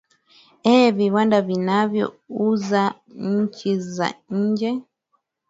ee viwanda vinavyo uza nchi za nje